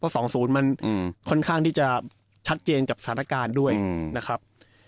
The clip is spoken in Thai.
เพราะสองศูนย์มันอืมค่อนข้างที่จะชัดเจนกับสถานการณ์ด้วยอืมนะครับ